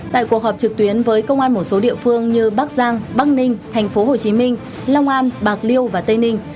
tại cuộc họp trực tuyến với công an một số địa phương như bắc giang bắc ninh hành phố hồ chí minh long an bạc liêu và tây ninh